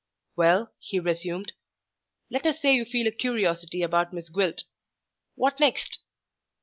"Well," he resumed, "let us say you feel a curiosity about Miss Gwilt. What next?"